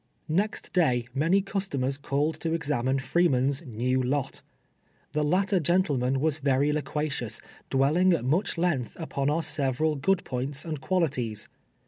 Next day many customers called to examine Free man's " new lot." The latter gentleman was very loquacious, dwelling at much length upon our several good points and qualities.